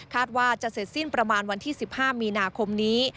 ว่าจะเสร็จสิ้นประมาณวันที่๑๕มีนาคมนี้